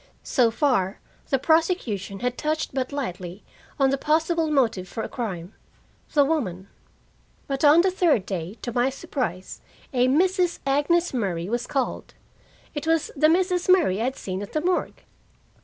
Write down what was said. So far, the prosecution had touched but lightly on the possible motive for a crime the woman. But on the third day, to my surprise, a Mrs. Agnes Murray was called. It was the Mrs. Murray I had seen at the morgue.